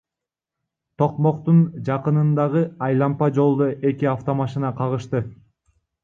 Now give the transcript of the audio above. Токмоктун жакынындагы айлампа жолдо эки автомашина кагышты.